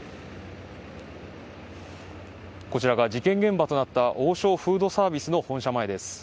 こちらが事件現場となった王将フードサービスの本社前です。